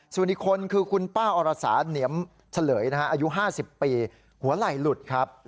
ส่วนอีกคนคือคุณป้าอรสาเหนียมเฉลยอายุ๕๐ปีหัวไหล่หลุดครับ